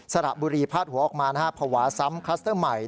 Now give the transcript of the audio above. สระบุรีพัดหัวออกมาผวาซ้ำคลัสเตอร์ใหม่